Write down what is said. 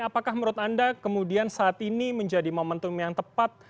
apakah menurut anda kemudian saat ini menjadi momentum yang tepat